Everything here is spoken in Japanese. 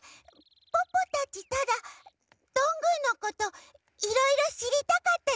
ポッポたちただどんぐーのこといろいろしりたかっただけなの。